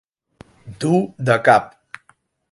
Dur de cap.